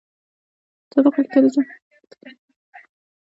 ستا د خوښې تلویزیون خپرونه څه ده؟